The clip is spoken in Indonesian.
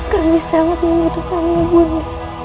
kami sangat membutuhkanmu bunda